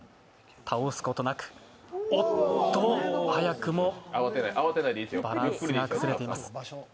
倒すことなくおっと早くもバランスが崩れています。